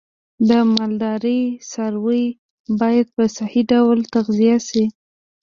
د مالدارۍ څاروی باید په صحی ډول تغذیه شي.